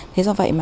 thế do đó